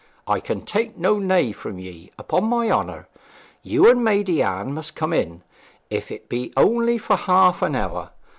I can take no nay from ye, upon my honour. You and maidy Anne must come in, if it be only for half an hour.